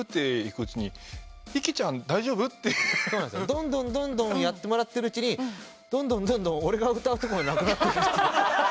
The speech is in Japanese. どんどんどんどんやってもらってるうちにどんどんどんどん俺が歌うとこなくなっていく。